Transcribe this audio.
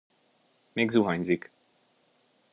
Még zuhanyzik.